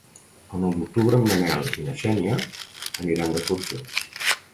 El nou d'octubre en Manel i na Xènia aniran d'excursió.